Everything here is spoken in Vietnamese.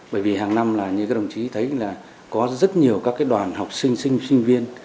bởi vì hàng năm là như các đồng chí thấy là có rất nhiều các đoàn học sinh sinh viên